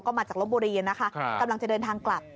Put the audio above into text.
ก็มาจากลบบุรีนะคะกำลังจะเดินทางกลับ